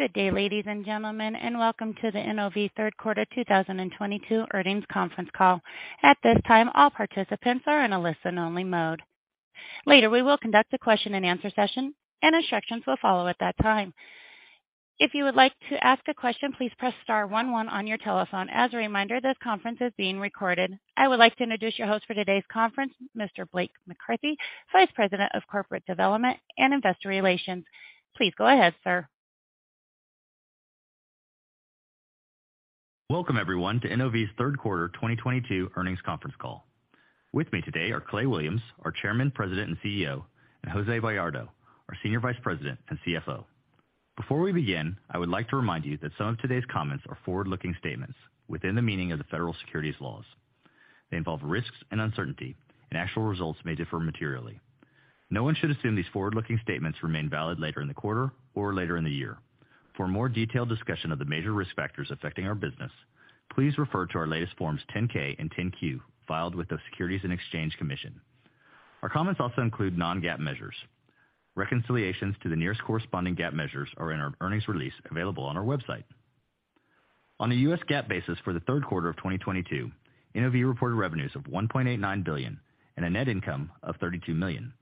Good day, ladies and gentlemen, and welcome to the NOV third quarter 2022 earnings conference call. At this time, all participants are in listen-only mode. Later, we will conduct a question and answer session, and instructions will follow at that time. If you would like to ask a question, please press star one one on your telephone. As a reminder, this conference is being recorded. I would like to introduce your host for today's conference, Mr. Blake McCarthy, Vice President of Corporate Development and Investor Relations. Please go ahead, sir. Welcome everyone to NOV's third quarter 2022 earnings conference call. With me today are Clay Williams, our Chairman, President, and CEO, and Jose Bayardo, our Senior Vice President and CFO. Before we begin, I would like to remind you that some of today's comments are forward-looking statements within the meaning of the federal securities laws. They involve risks and uncertainty, and actual results may differ materially. No one should assume these forward-looking statements remain valid later in the quarter or later in the year. For a more detailed discussion of the major risk factors affecting our business, please refer to our latest Form 10-K and 10-Q filed with the Securities and Exchange Commission. Our comments also include non-GAAP measures. Reconciliations to the nearest corresponding GAAP measures are in our earnings release available on our website. On a US GAAP basis for the third quarter of 2022, NOV reported revenues of $1.89 billion and a net income of $32 million.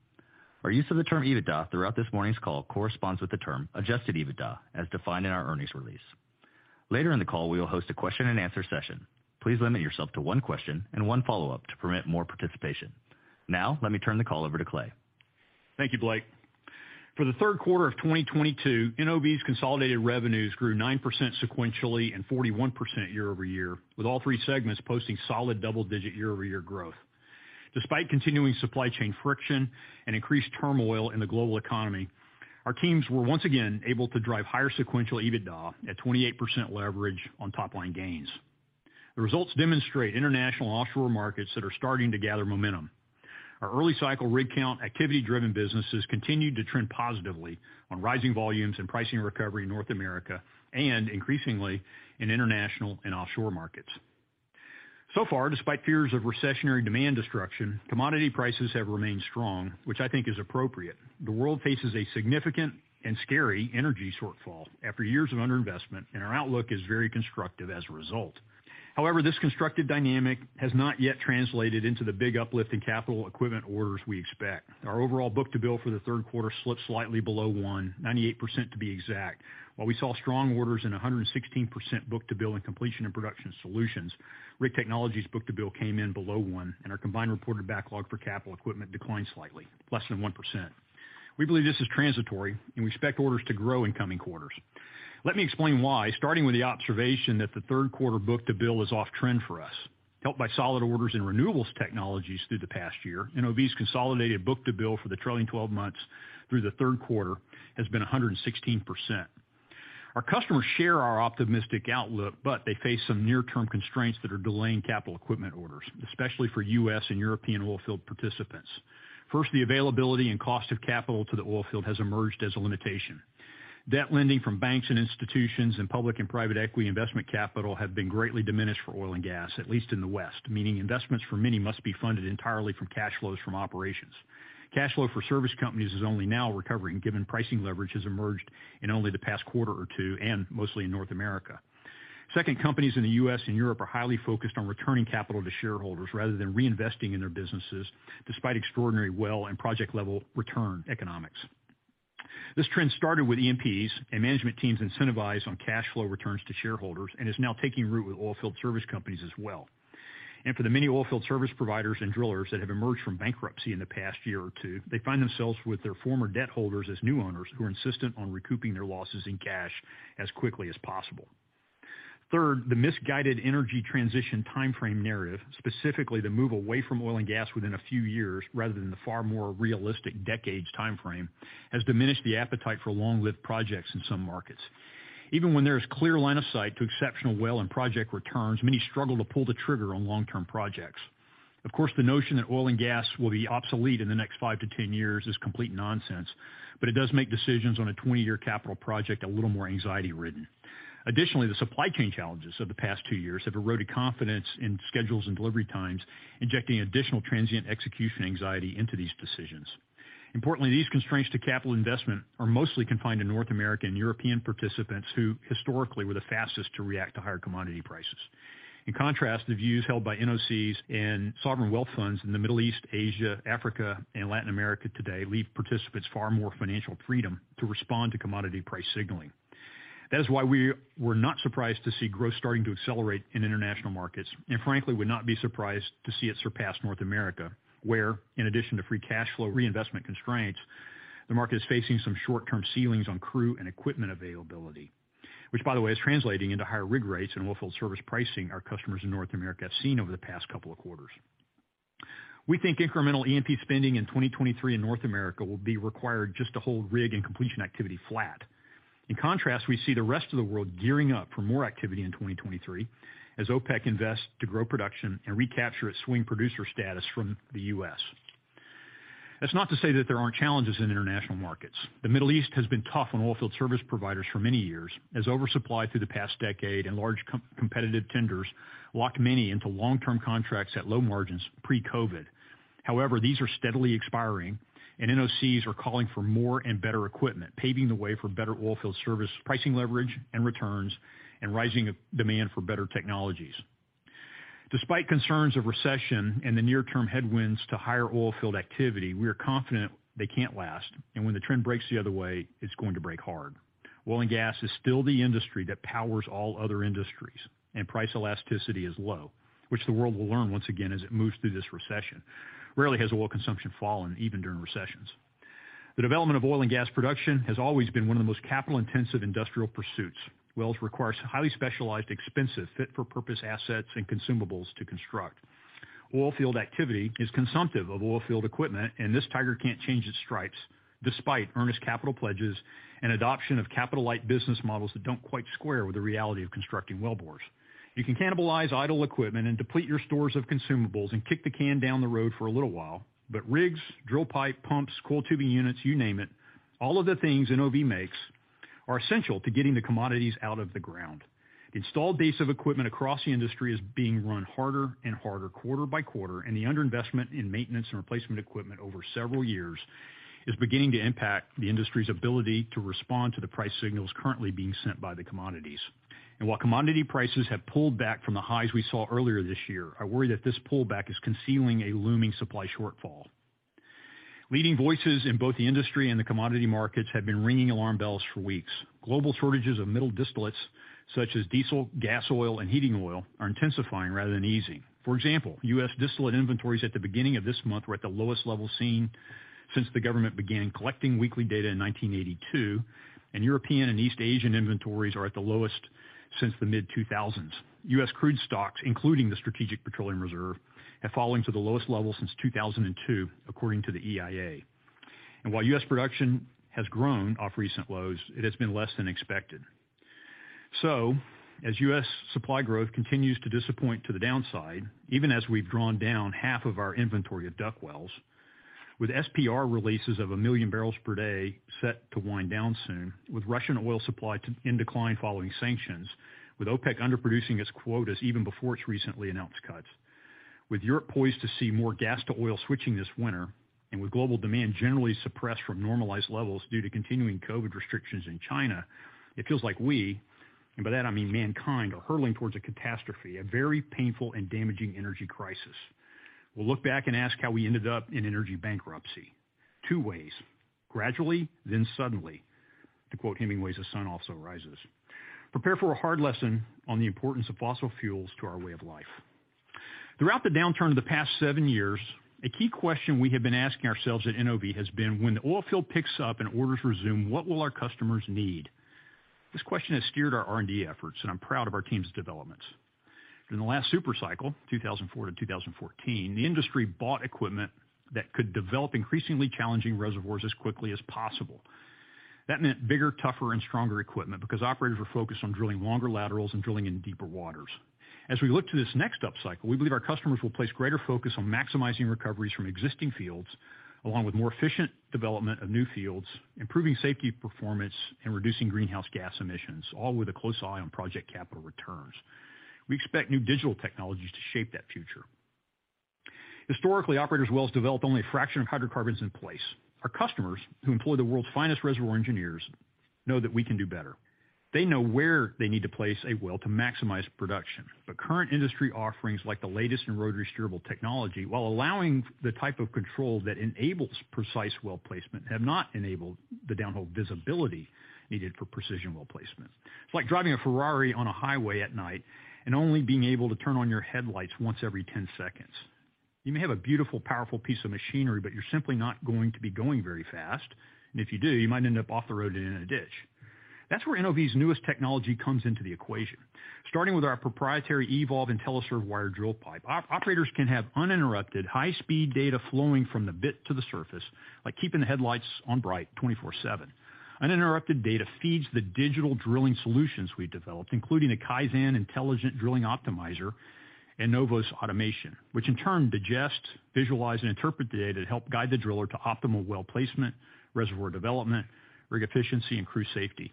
Our use of the term EBITDA throughout this morning's call corresponds with the term adjusted EBITDA as defined in our earnings release. Later in the call, we will host a question and answer session. Please limit yourself to one question and one follow-up to permit more participation. Now, let me turn the call over to Clay. Thank you, Blake. For the third quarter of 2022, NOV's consolidated revenues grew 9% sequentially and 41% year-over-year, with all three segments posting solid double-digit year-over-year growth. Despite continuing supply chain friction and increased turmoil in the global economy, our teams were once again able to drive higher sequential EBITDA at 28% leverage on top-line gains. The results demonstrate international offshore markets that are starting to gather momentum. Our early-cycle rig count, activity-driven businesses continued to trend positively on rising volumes and pricing recovery in North America and increasingly in international and offshore markets. So far, despite fears of recessionary demand destruction, commodity prices have remained strong, which I think is appropriate. The world faces a significant and scary energy shortfall after years of underinvestment, and our outlook is very constructive as a result. However, this constructive dynamic has not yet translated into the big uplift in capital equipment orders we expect. Our overall book-to-bill for the third quarter slipped slightly below one, 98% to be exact. While we saw strong orders with a 116% book-to-bill in Completion and Production Solutions, Rig Technologies' book-to-bill came in below one, and our combined reported backlog for capital equipment declined slightly, less than 1%. We believe this is transitory, and we expect orders to grow in coming quarters. Let me explain why, starting with the observation that the third quarter book-to-bill is off-trend for us. Helped by solid orders in renewables technologies through the past year, NOV's consolidated book-to-bill for the trailing twelve months through the third quarter has been 116%. Our customers share our optimistic outlook, but they face some near-term constraints that are delaying capital equipment orders, especially for U.S. and European oilfield participants. First, the availability and cost of capital to the oilfield have emerged as a limitation. Debt lending from banks and institutions and public and private equity investment capital have been greatly diminished for oil and gas, at least in the West, meaning investments for many must be funded entirely from cash flows from operations. Cash flow for service companies is only now recovering, given pricing leverage has emerged in only the past quarter or two, and mostly in North America. Second, companies in the U.S. and Europe are highly focused on returning capital to shareholders rather than reinvesting in their businesses despite extraordinary well and project-level return economics. This trend started with E&Ps and management teams incentivized by cash flow returns to shareholders and is now taking root with oil field service companies as well. For the many oil field service providers and drillers that have emerged from bankruptcy in the past year or two, they find themselves with their former debt holders as new owners who are insistent on recouping their losses in cash as quickly as possible. Third, the misguided energy transition timeframe narrative, specifically the move away from oil and gas within a few years rather than the far more realistic decades timeframe, has diminished the appetite for long-lived projects in some markets. Even when there is clear line of sight to exceptional well and project returns, many struggle to pull the trigger on long-term projects. Of course, the notion that oil and gas will be obsolete in the next 5-10 years is complete nonsense, but it does make decisions on a 20-year capital project a little more anxiety-ridden. Additionally, the supply chain challenges of the past 2 years have eroded confidence in schedules and delivery times, injecting additional transient execution anxiety into these decisions. Importantly, these constraints to capital investment are mostly confined to North American and European participants who historically were the fastest to react to higher commodity prices. In contrast, the views held by NOCs and sovereign wealth funds in the Middle East, Asia, Africa, and Latin America today leave participants far more financial freedom to respond to commodity price signaling. That is why we were not surprised to see growth starting to accelerate in international markets, and frankly, would not be surprised to see it surpass North America, where, in addition to free cash flow reinvestment constraints, the market is facing some short-term ceilings on crew and equipment availability. This, by the way, is translating into higher rig rates and oilfield service pricing our customers in North America have seen over the past couple of quarters. We think incremental E&P spending in 2023 in North America will be required just to hold rig and completion activity flat. In contrast, we see the rest of the world gearing up for more activity in 2023 as OPEC invests to grow production and recapture its swing producer status from the U.S. That's not to say that there aren't challenges in international markets. The Middle East has been tough on oilfield service providers for many years, as oversupply throughout the past decade and large competitive tenders locked many into long-term contracts at low margins pre-COVID. However, these are steadily expiring, and NOCs are calling for more and better equipment, paving the way for better oilfield service pricing leverage and returns, and rising demand for better technologies. Despite concerns of recession and the near-term headwinds to higher oilfield activity, we are confident they can't last. When the trend breaks the other way, it's going to break hard. Oil and gas is still the industry that powers all other industries, and price elasticity is low, which the world will learn once again as it moves through this recession. Rarely has oil consumption fallen even during recessions. The development of oil and gas production has always been one of the most capital-intensive industrial pursuits. Wells require highly specialized, expensive, fit-for-purpose assets and consumables to construct. Oil field activity consumes oil field equipment, and this tiger can't change its stripes, despite earnest capital pledges and adoption of capital-light business models that don't quite square with the reality of constructing wellbores. You can cannibalize idle equipment, deplete your stores of consumables, and kick the can down the road for a little while, but rigs, drill pipe, pumps, coiled tubing units—you name it—all the things NOV makes are essential to getting commodities out of the ground. The installed base of equipment across the industry is being run harder and harder quarter by quarter, and the underinvestment in maintenance and replacement equipment over several years is beginning to impact the industry's ability to respond to the price signals currently being sent by commodities. While commodity prices have pulled back from the highs we saw earlier this year, I worry that this pullback is concealing a looming supply shortfall. Leading voices in both the industry and the commodity markets have been ringing alarm bells for weeks. Global shortages of middle distillates such as diesel, gas oil, and heating oil are intensifying rather than easing. For example, U.S. distillate inventories at the beginning of this month were at the lowest level seen since the government began collecting weekly data in 1982, and European and East Asian inventories are at their lowest since the mid-2000s. U.S. crude stocks, including the Strategic Petroleum Reserve, have fallen to the lowest level since 2002, according to the EIA. While U.S. production has grown from recent lows, it has been less than expected. As U.S. supply growth continues to disappoint, even as we've drawn down half of our inventory of DUC wells, with SPR releases of 1 million barrels per day set to wind down soon, with Russian oil supply in decline following sanctions, with OPEC underproducing its quotas even before its recently announced cuts, with Europe poised to see more gas-to-oil switching this winter, and with global demand generally suppressed from normalized levels due to continuing COVID restrictions in China, it feels like we, and by that I mean mankind, are hurtling towards a catastrophe, a very painful and damaging energy crisis. We'll look back and ask how we ended up in energy bankruptcy. Two ways, gradually, then suddenly, to quote Hemingway's The Sun Also Rises. Prepare for a hard lesson on the importance of fossil fuels to our way of life. Throughout the downturn of the past seven years, a key question we have been asking ourselves at NOV has been: When the oil field picks up and orders resume, what will our customers need? This question has steered our R&D efforts, and I'm proud of our team's developments. In the last super cycle, 2004-2014, the industry bought equipment that could develop increasingly challenging reservoirs as quickly as possible. That meant bigger, tougher, and stronger equipment because operators were focused on drilling longer laterals and drilling in deeper waters. As we look to this next upcycle, we believe our customers will place greater focus on maximizing recoveries from existing fields, along with more efficient development of new fields, improving safety performance, and reducing greenhouse gas emissions, all with a close eye on project capital returns. We expect new digital technologies to shape that future. Historically, operators' wells develop only a fraction of the hydrocarbons in place. Our customers, who employ the world's finest reservoir engineers, know that we can do better. They know where they need to place a well to maximize production. Current industry offerings, like the latest in rotary steerable technology, while allowing the type of control that enables precise well placement, have not enabled the downhole visibility needed for precision well placement. It's like driving a Ferrari on a highway at night and only being able to turn on your headlights once every 10 seconds. You may have a beautiful, powerful piece of machinery, but you're simply not going to be going very fast. If you do, you might end up off the road and in a ditch. That's where NOV's newest technology comes into the equation. Starting with our proprietary Evolve Intelliserve wired drill pipe, operators can have uninterrupted high-speed data flowing from the bit to the surface, like keeping the headlights on bright 24/7. Uninterrupted data feeds the digital drilling solutions we developed, including the Kaizen intelligent drilling optimizer and NOVOS automation, which in turn digests, visualizes, and interprets the data to help guide the driller to optimal well placement, reservoir development, rig efficiency, and crew safety.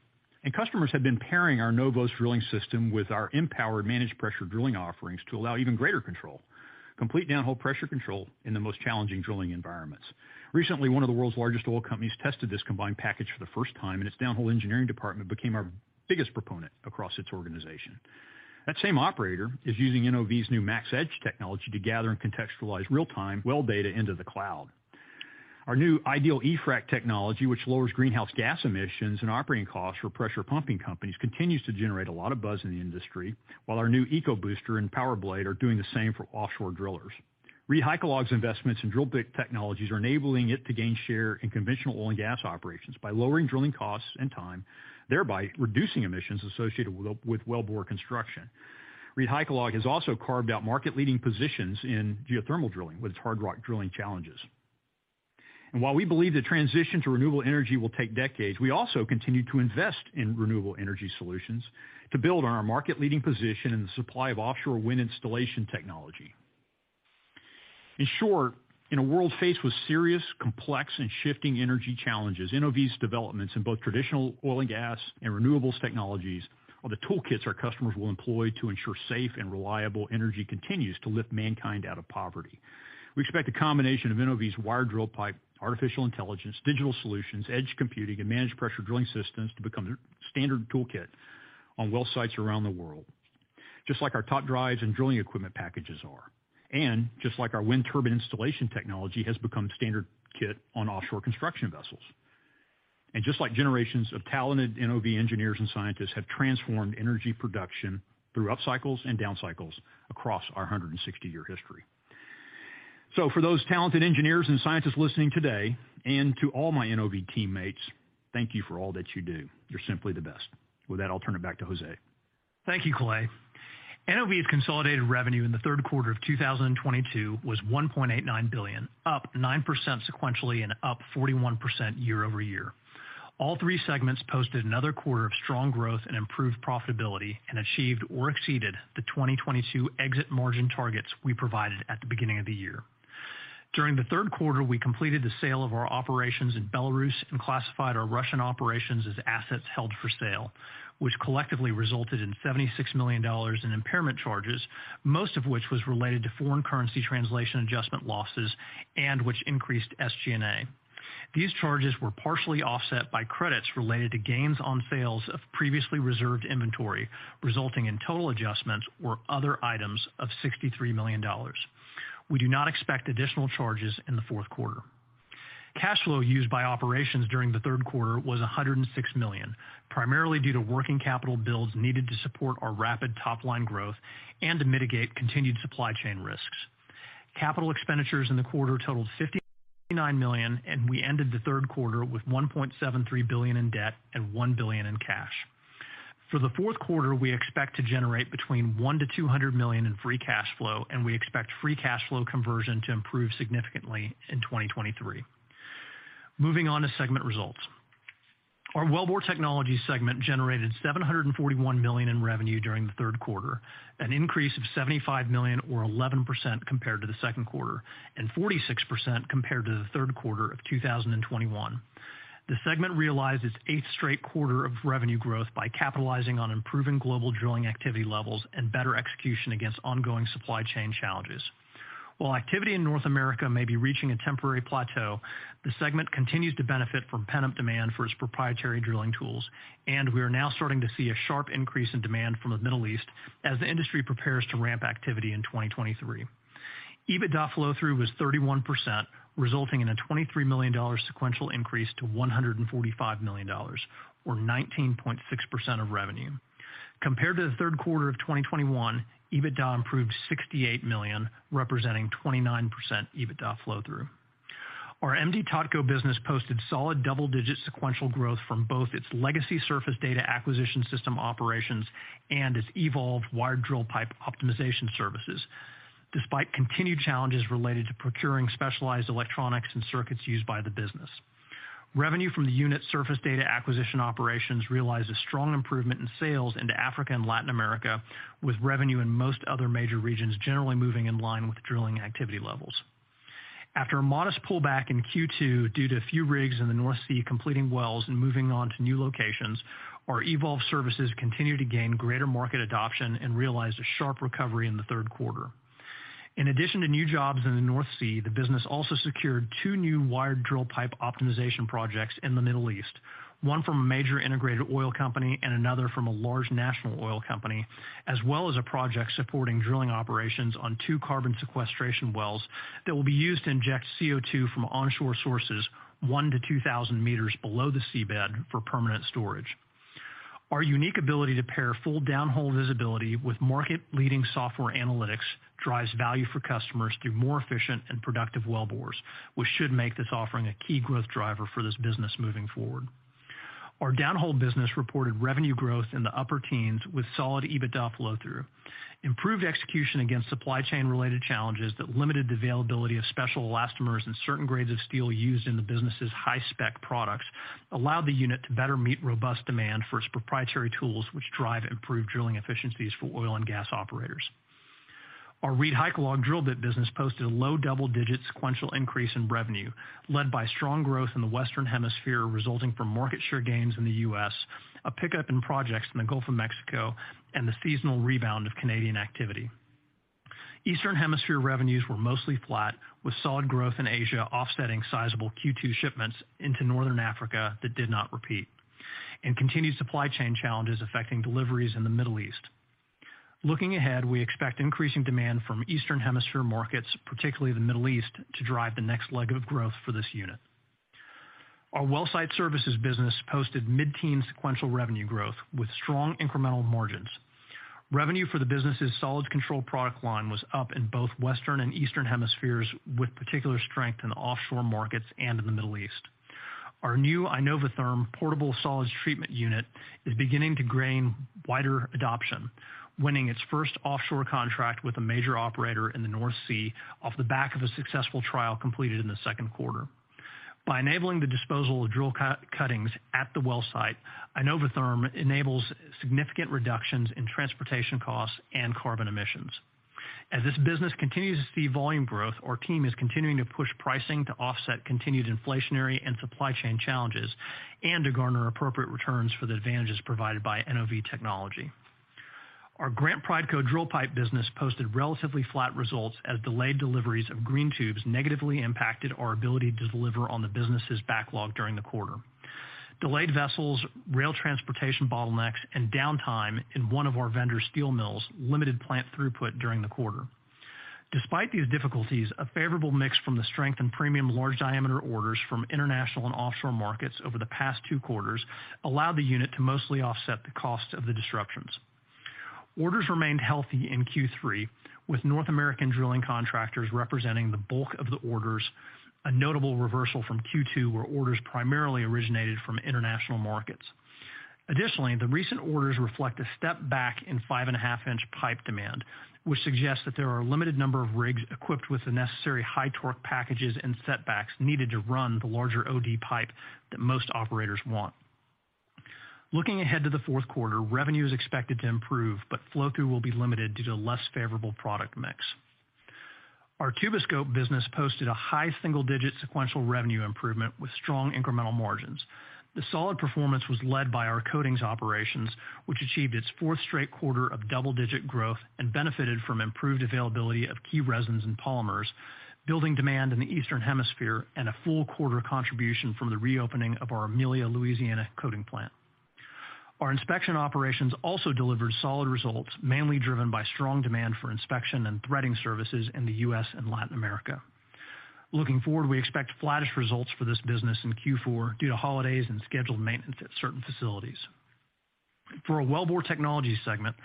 Customers have been pairing our NOVOS drilling system with our Empower managed pressure drilling offerings to allow even greater control—complete downhole pressure control in the most challenging drilling environments. Recently, one of the world's largest oil companies tested this combined package for the first time, and its downhole engineering department became our biggest proponent across its organization. That same operator is using NOV's new Max Edge technology to gather and contextualize real-time well data into the cloud. Our new Ideal eFrac technology, which lowers greenhouse gas emissions and operating costs for pressure pumping companies, continues to generate a lot of buzz in the industry, while our new EcoBooster and PowerBlade are doing the same for offshore drillers. ReedHycalog's investments in drill bit technologies are enabling it to gain share in conventional oil and gas operations by lowering drilling costs and time, thereby reducing emissions associated with wellbore construction. ReedHycalog has also carved out market-leading positions in geothermal drilling with its hard rock drilling challenges. While we believe the transition to renewable energy will take decades, we also continue to invest in renewable energy solutions to build on our market-leading position in the supply of offshore wind installation technology. In short, in a world faced with serious, complex, and shifting energy challenges, NOV's developments in both traditional oil and gas and renewables technologies are the toolkits our customers will employ to ensure safe and reliable energy continues to lift mankind out of poverty. We expect a combination of NOV's wired drill pipe, artificial intelligence, digital solutions, edge computing, and managed pressure drilling systems to become the standard toolkit on well sites around the world, just like our top drives and drilling equipment packages are. Just like our wind turbine installation technology has become standard kit on offshore construction vessels. Just like generations of talented NOV engineers and scientists have transformed energy production through up cycles and down cycles across our 160-year history. For those talented engineers and scientists listening today, and to all my NOV teammates, thank you for all that you do. You're simply the best. With that, I'll turn it back to Jose. Thank you, Clay. NOV's consolidated revenue in the third quarter of 2022 was $1.89 billion, up 9% sequentially and up 41% year-over-year. All three segments posted another quarter of strong growth and improved profitability and achieved or exceeded the 2022 exit margin targets we provided at the beginning of the year. During the third quarter, we completed the sale of our operations in Belarus and classified our Russian operations as assets held for sale, which collectively resulted in $76 million in impairment charges, most of which was related to foreign currency translation adjustment losses and which increased SG&A. These charges were partially offset by credits related to gains on sales of previously reserved inventory, resulting in total adjustments or other items of $63 million. We do not expect additional charges in the fourth quarter. Cash flow used by operations during the third quarter was $106 million, primarily due to working capital builds needed to support our rapid top-line growth and to mitigate continued supply chain risks. Capital expenditures in the quarter totaled $59 million, and we ended the third quarter with $1.73 billion in debt and $1 billion in cash. For the fourth quarter, we expect to generate between $100 million and $200 million in free cash flow, and we expect free cash flow conversion to improve significantly in 2023. Moving on to segment results, our Wellbore Technologies segment generated $741 million in revenue during the third quarter, an increase of $75 million or 11% compared to the second quarter, and 46% compared to the third quarter of 2021. The segment realized its eighth straight quarter of revenue growth by capitalizing on improving global drilling activity levels and better execution against ongoing supply chain challenges. While activity in North America may be reaching a temporary plateau, the segment continues to benefit from pent-up demand for its proprietary drilling tools, and we are now starting to see a sharp increase in demand from the Middle East as the industry prepares to ramp up activity in 2023. EBITDA flow-through was 31%, resulting in a $23 million sequential increase to $145 million or 19.6% of revenue. Compared to the third quarter of 2021, EBITDA improved $68 million, representing 29% EBITDA flow-through. Our M/D Totco business posted solid double-digit sequential growth from both its legacy surface data acquisition system operations and its Evolve wired drill pipe optimization services, despite continued challenges related to procuring specialized electronics and circuits used by the business. Revenue from the unit's surface data acquisition operations realized a strong improvement in sales into Africa and Latin America, with revenue in most other major regions generally moving in line with drilling activity levels. After a modest pullback in Q2 due to a few rigs in the North Sea completing wells and moving on to new locations, our Evolve services continued to gain greater market adoption and realized a sharp recovery in the third quarter. In addition to new jobs in the North Sea, the business also secured two new wired drill pipe optimization projects in the Middle East: one from a major integrated oil company and another from a large national oil company, as well as a project supporting drilling operations on two carbon sequestration wells. These wells will be used to inject CO2 from onshore sources 1,000-2,000 meters below the seabed for permanent storage. Our unique ability to pair full downhole visibility with market-leading software analytics drives value for customers through more efficient and productive wellbores, which should make this offering a key growth driver for this business moving forward. Our downhole business reported revenue growth in the upper teens with solid EBITDA flow-through. Improved execution against supply chain-related challenges that limited the availability of special elastomers and certain grades of steel used in the business's high-spec products allowed the unit to better meet robust demand for its proprietary tools, which drive improved drilling efficiencies for oil and gas operators. Our ReedHycalog drill bit business posted a low double-digit sequential increase in revenue, led by strong growth in the Western Hemisphere resulting from market share gains in the U.S., a pickup in projects in the Gulf of Mexico, and the seasonal rebound of Canadian activity. Eastern Hemisphere revenues were mostly flat, with solid growth in Asia offsetting sizable Q2 shipments into Northern Africa that did not repeat, and continued supply chain challenges affecting deliveries in the Middle East. Looking ahead, we expect increasing demand from Eastern Hemisphere markets, particularly the Middle East, to drive the next leg of growth for this unit. Our Wellsite Services business posted mid-teen sequential revenue growth with strong incremental margins. Revenue for the business's solids control product line was up in both the Western and Eastern Hemispheres, with particular strength in offshore markets and in the Middle East. Our new iNOVaTHERM portable solids treatment unit is beginning to gain wider adoption, winning its first offshore contract with a major operator in the North Sea off the back of a successful trial completed in the second quarter. By enabling the disposal of drill cuttings at the well site, iNOVaTHERM enables significant reductions in transportation costs and carbon emissions. As this business continues to see volume growth, our team is continuing to push pricing to offset continued inflationary and supply chain challenges and to garner appropriate returns for the advantages provided by NOV technology. Our Grant Prideco drill pipe business posted relatively flat results as delayed deliveries of green tubes negatively impacted our ability to deliver on the business's backlog during the quarter. Delayed vessels, rail transportation bottlenecks, and downtime in one of our vendor steel mills limited plant throughput during the quarter. Despite these difficulties, a favorable mix from the strength and premium large-diameter orders from international and offshore markets over the past two quarters allowed the unit to mostly offset the cost of the disruptions. Orders remained healthy in Q3, with North American drilling contractors representing the bulk of the orders, a notable reversal from Q2, where orders primarily originated from international markets. Additionally, recent orders reflect a step back in 5.5-inch pipe demand, suggesting a limited number of rigs equipped with the necessary high torque packages and setbacks to run the larger OD pipe that most operators want. Looking ahead to the fourth quarter, revenue is expected to improve, but flow-through will be limited due to a less favorable product mix. Our Tuboscope business posted a high single-digit sequential revenue improvement with strong incremental margins. The solid performance was led by our coatings operations, which achieved their fourth straight quarter of double-digit growth and benefited from improved availability of key resins and polymers, building demand in the Eastern Hemisphere, and a full quarter contribution from the reopening of our Amelia, Louisiana, coating plant. Our inspection operations also delivered solid results, mainly driven by strong demand for inspection and threading services in the U.S. and Latin America. Looking forward, we expect flat results for this business in Q4 due to holidays and scheduled maintenance at certain facilities. For our Wellbore Technologies segment,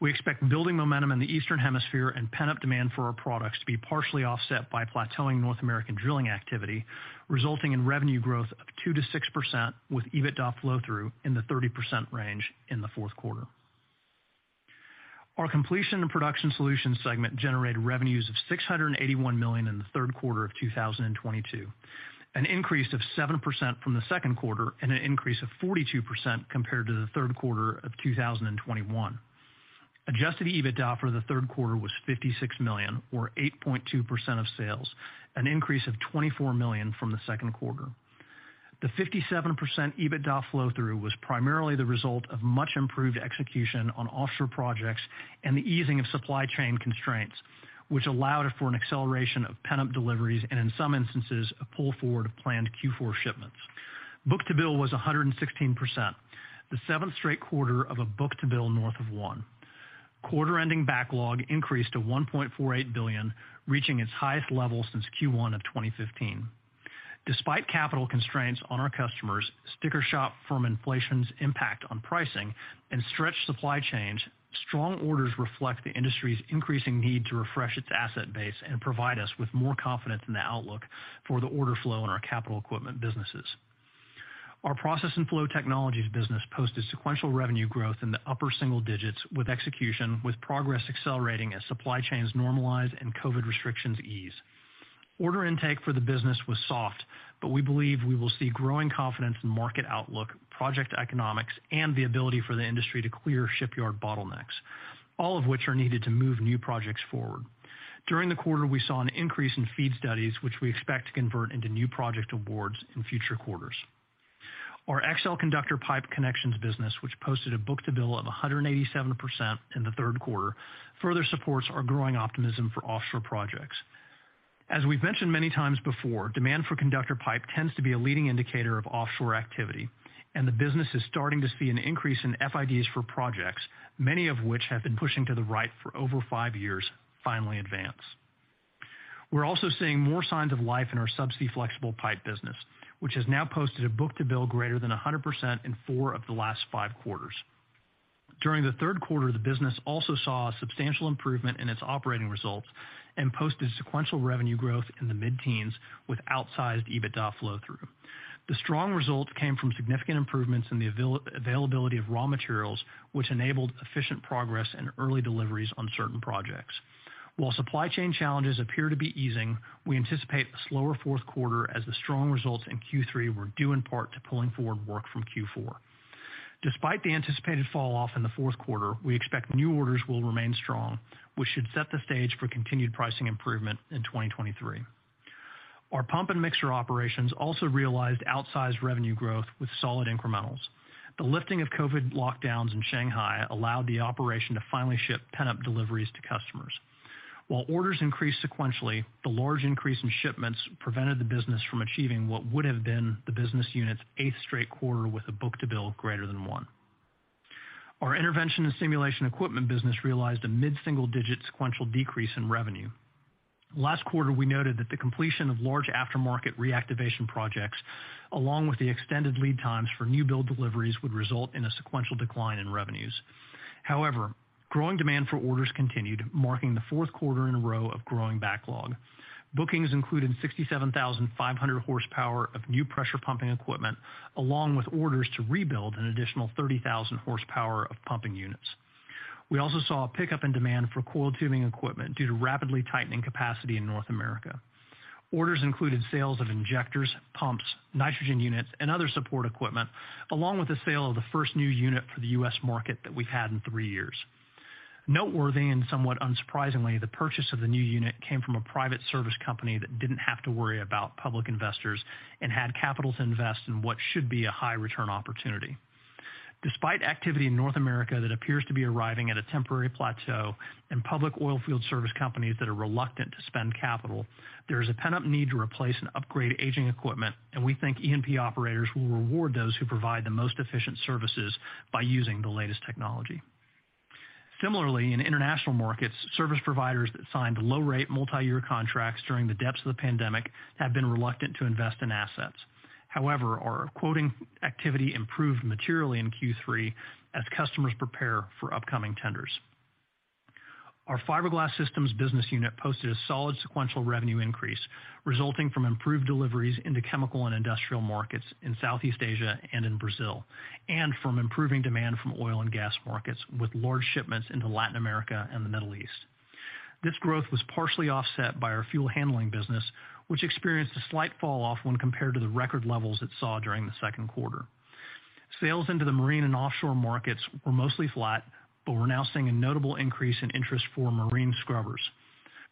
we expect building momentum in the Eastern Hemisphere and pent-up demand for our products to be partially offset by plateauing North American drilling activity, resulting in revenue growth of 2%-6% with EBITDA flow-through in the 30% range in the fourth quarter. Our Completion and Production Solutions segment generated revenues of $681 million in the third quarter of 2022, an increase of 7% from the second quarter and an increase of 42% compared to the third quarter of 2021. Adjusted EBITDA for the third quarter was $56 million, or 8.2% of sales, an increase of $24 million from the second quarter. The 57% EBITDA flow-through was primarily the result of much-improved execution on offshore projects and the easing of supply chain constraints, which allowed for an acceleration of pent-up deliveries and, in some instances, a pull-forward of planned Q4 shipments. Book-to-bill was 116%, the seventh straight quarter of a book-to-bill north of one. Quarter-ending backlog increased to $1.48 billion, reaching its highest level since Q1 of 2015. Despite capital constraints on our customers, sticker shock from inflation's impact on pricing, and stretched supply chains, strong orders reflect the industry's increasing need to refresh its asset base and provide us with more confidence in the outlook for the order flow in our capital equipment businesses. Our Process and Flow Technologies business posted sequential revenue growth in the upper single digits, with progress accelerating as supply chains normalize and COVID restrictions ease. Order intake for the business was soft, but we believe we will see growing confidence in market outlook, project economics, and the industry's ability to clear shipyard bottlenecks, all of which are needed to move new projects forward. During the quarter, we saw an increase in FEED studies, which we expect to convert into new project awards in future quarters. Our XL Conductor Pipe Connections business, which posted a book-to-bill of 187% in the third quarter, further supports our growing optimism for offshore projects. As we've mentioned many times before, demand for conductor pipe tends to be a leading indicator of offshore activity, and the business is starting to see an increase in FIDs for projects, many of which have been pushed to the right for over five years, finally advance. We're also seeing more signs of life in our subsea flexible pipe business, which has now posted a book-to-bill greater than 100% in four of the last five quarters. During the third quarter, the business also saw a substantial improvement in its operating results and posted sequential revenue growth in the mid-teens with outsized EBITDA flow-through. The strong results came from significant improvements in the availability of raw materials, which enabled efficient progress and early deliveries on certain projects. While supply chain challenges appear to be easing, we anticipate a slower fourth quarter as the strong results in Q3 were due in part to pulling forward work from Q4. Despite the anticipated falloff in the fourth quarter, we expect new orders will remain strong, which should set the stage for continued pricing improvement in 2023. Our pump and mixer operations also realized outsized revenue growth with solid incrementals. The lifting of COVID lockdowns in Shanghai allowed the operation to finally ship pent-up deliveries to customers. While orders increased sequentially, the large increase in shipments prevented the business from achieving what would have been the business unit's eighth straight quarter with a book-to-bill greater than one. Our intervention and stimulation equipment business realized a mid-single-digit sequential decrease in revenue. Last quarter, we noted that the completion of large aftermarket reactivation projects, along with the extended lead times for new build deliveries, would result in a sequential decline in revenues. However, growing demand for orders continued, marking the fourth quarter in a row of growing backlog. Bookings included 67,500 horsepower of new pressure pumping equipment, along with orders to rebuild an additional 30,000 horsepower of pumping units. We also saw a pickup in demand for coiled tubing equipment due to rapidly tightening capacity in North America. Orders included sales of injectors, pumps, nitrogen units, and other support equipment, along with the sale of the first new unit for the U.S. market that we've had in 3 years. Noteworthy and somewhat unsurprisingly, the purchase of the new unit came from a private service company that didn't have to worry about public investors and had capital to invest in what should be a high-return opportunity. Despite activity in North America that appears to be arriving at a temporary plateau and public oil field service companies that are reluctant to spend capital, there is a pent-up need to replace and upgrade aging equipment, and we think E&P operators will reward those who provide the most efficient services by using the latest technology. Similarly, in international markets, service providers that signed low-rate, multi-year contracts during the depths of the pandemic have been reluctant to invest in assets. However, our quoting activity improved materially in Q3 as customers prepare for upcoming tenders. Our Fiberglass Systems business unit posted a solid sequential revenue increase resulting from improved deliveries into chemical and industrial markets in Southeast Asia and Brazil, and from improving demand from oil and gas markets with large shipments into Latin America and the Middle East. This growth was partially offset by our fuel handling business, which experienced a slight fall-off when compared to the record levels it saw during the second quarter. Sales into the marine and offshore markets were mostly flat, but we're now seeing a notable increase in interest for marine scrubbers.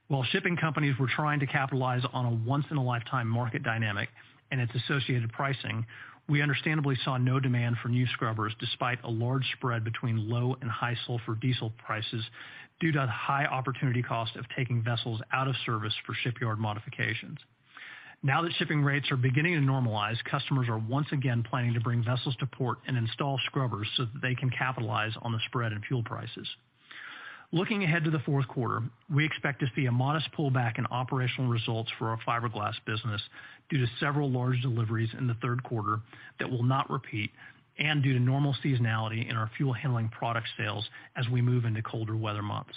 While shipping companies were trying to capitalize on a once-in-a-lifetime market dynamic and its associated pricing, we understandably saw no demand for new scrubbers despite a large spread between low and high sulfur diesel prices due to the high opportunity cost of taking vessels out of service for shipyard modifications. Now that shipping rates are beginning to normalize, customers are once again planning to bring vessels to port and install scrubbers so that they can capitalize on the spread in fuel prices. Looking ahead to the fourth quarter, we expect to see a modest pullback in operational results for our Fiberglass business due to several large deliveries in the third quarter that will not repeat and due to normal seasonality in our fuel handling product sales as we move into colder weather months.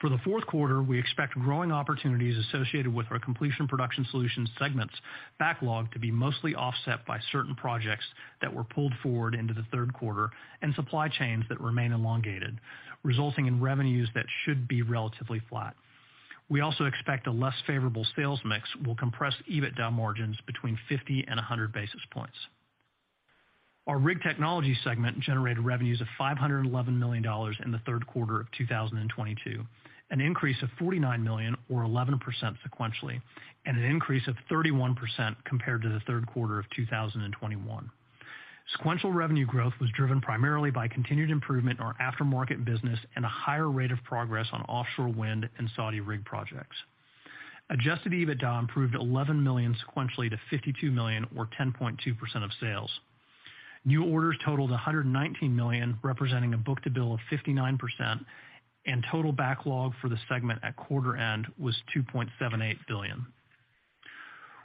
For the fourth quarter, we expect growing opportunities associated with our Completion & Production Solutions segment's backlog to be mostly offset by certain projects that were pulled forward into the third quarter and supply chains that remain elongated, resulting in revenues that should be relatively flat. We also expect a less favorable sales mix will compress EBITDA margins between 50 and 100 basis points. Our Rig Technologies segment generated revenues of $511 million in the third quarter of 2022, an increase of $49 million or 11% sequentially, and an increase of 31% compared to the third quarter of 2021. Sequential revenue growth was driven primarily by continued improvement in our aftermarket business and a higher rate of progress on offshore wind and Saudi rig projects. Adjusted EBITDA improved $11 million sequentially to $52 million or 10.2% of sales. New orders totaled $119 million, representing a book-to-bill of 59%, and total backlog for the segment at quarter end was $2.78 billion.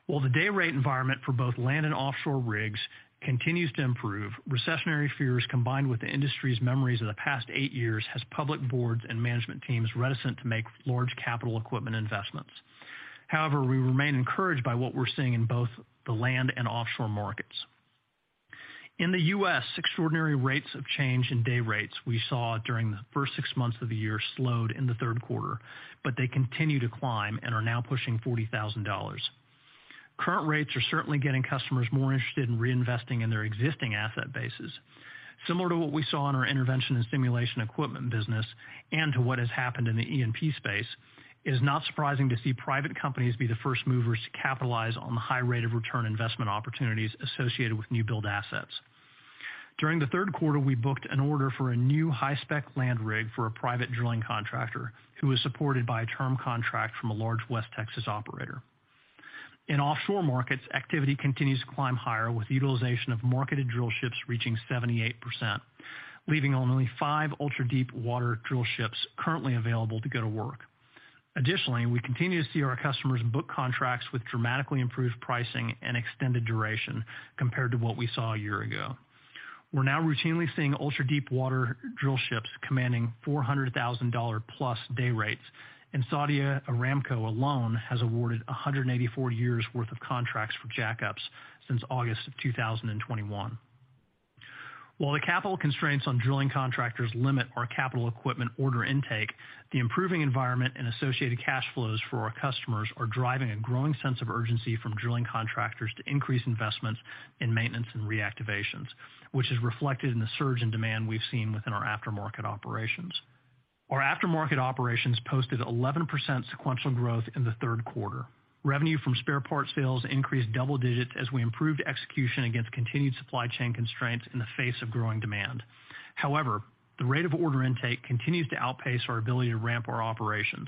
While the day rate environment for both land and offshore rigs continues to improve, recessionary fears combined with the industry's memories of the past eight years have public boards and management teams reticent to make large capital equipment investments. However, we remain encouraged by what we're seeing in both the land and offshore markets. In the U.S., the extraordinary rates of change in day rates we saw during the first six months of the year slowed in the third quarter, but they continue to climb and are now pushing $40,000. Current rates are certainly getting customers more interested in reinvesting in their existing asset bases. Similar to what we saw in our intervention and stimulation equipment business and what has happened in the E&P space, it is not surprising to see private companies be the first movers to capitalize on the high rate of return investment opportunities associated with new-build assets. During the third quarter, we booked an order for a new high-spec land rig for a private drilling contractor who was supported by a term contract from a large West Texas operator. In offshore markets, activity continues to climb higher with utilization of marketed drillships reaching 78%, leaving only 5 ultra-deepwater drillships currently available to go to work. Additionally, we continue to see our customers book contracts with dramatically improved pricing and extended duration compared to what we saw a year ago. We're now routinely seeing ultra-deepwater drillships commanding $400,000+ day rates, and Saudi Aramco alone has awarded 184 years' worth of contracts for jack-ups since August 2021. While the capital constraints on drilling contractors limit our capital equipment order intake, the improving environment and associated cash flows for our customers are driving a growing sense of urgency from drilling contractors to increase investments in maintenance and reactivations, which is reflected in the surge in demand we've seen within our aftermarket operations. Our aftermarket operations posted 11% sequential growth in the third quarter. Revenue from spare parts sales increased double digits as we improved execution against continued supply chain constraints in the face of growing demand. However, the rate of order intake continues to outpace our ability to ramp up our operations.